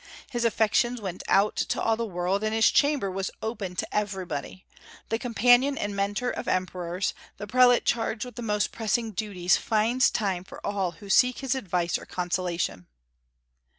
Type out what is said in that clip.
His affections went out to all the world, and his chamber was open to everybody. The companion and Mentor of emperors, the prelate charged with the most pressing duties finds time for all who seek his advice or consolation.